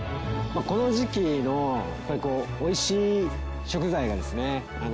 この時期のおいしい食材がですね